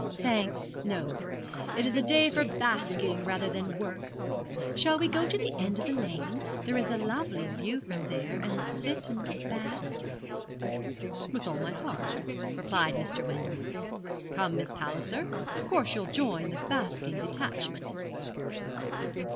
'Thanks, no. It is a day for basking rather than work. Shall we go to the end of the lane there is a lovely view from there and sit and bask?' 'With all my heart,' replied Mr. Wendover. 'Come, Miss Palliser, of course you'll join the basking detachment.'